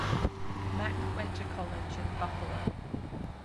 Mack went to college at Buffalo.